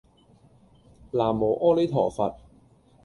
喃嘸阿彌陀佛